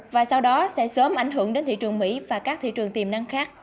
và sau đó sẽ sớm ảnh hưởng đến thị trường mỹ và các thị trường tiềm năng khác